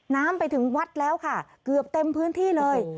น้ำไปถึงวัดแล้วค่ะเกือบเต็มพื้นที่เลย